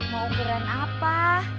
mau ukuran apa